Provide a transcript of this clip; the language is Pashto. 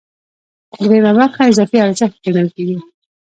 درېیمه برخه اضافي ارزښت ګڼل کېږي